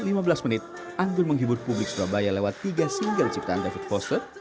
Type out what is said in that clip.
selama lima belas menit anggun menghibur publik surabaya lewat tiga single ciptaan david foster